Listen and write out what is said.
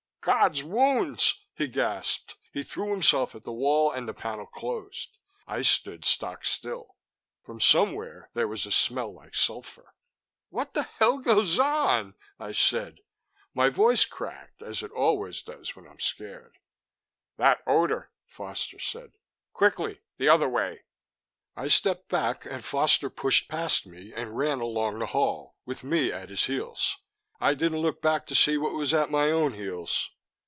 "God's wounds!" he gasped. He threw himself at the wall and the panel closed. I stood stock still; from somewhere there was a smell like sulphur. "What the hell goes on?" I said. My voice cracked, as it always does when I'm scared. "That odor," Foster said. "Quickly the other way!" I stepped back and Foster pushed past me and ran along the hall, with me at his heels. I didn't look back to see what was at my own heels.